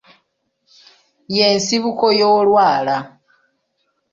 Ye nsibuko y'olwala.